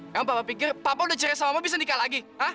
kenapa papa pikir papa udah cerai sama mama bisa nikah lagi